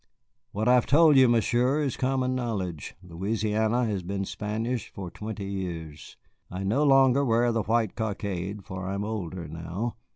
"What I have told you, Monsieur, is common knowledge. Louisiana has been Spanish for twenty years. I no longer wear the white cockade, for I am older now."